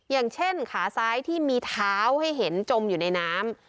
อย่างเช่นขาซ้ายที่มีเท้าให้เห็นจมอยู่ในน้ำ